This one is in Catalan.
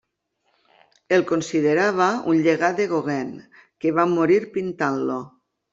El considerava un llegat de Gauguin que va morir pintant-lo.